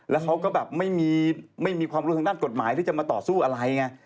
แล้วเขาก็แบบไม่มีความรู้ทางด้านกฎหมายที่จะมาต่อสู้อะไรไง